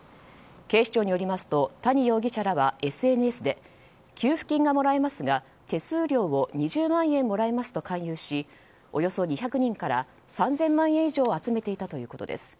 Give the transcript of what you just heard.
警視庁によりますと谷容疑者らはＳＮＳで給付金がもらえますが手数料を２０万円もらいますと勧誘しおよそ２００人から３０００万円以上を集めていたということです。